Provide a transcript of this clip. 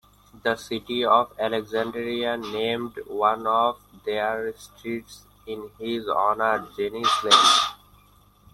The City of Alexandria named one of their streets in his honor, Janney's Lane.